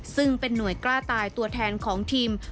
ซึ่งเป็นหน่วยกล้าตายตัวแทนของทีม